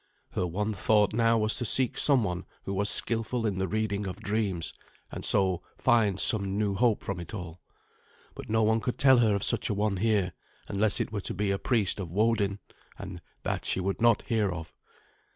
Her one thought now was to seek someone who was skilful in the reading of dreams, and so find some new hope from it all. But no one could tell her of such a one here, unless it were to be a priest of Woden, and that she would not hear of.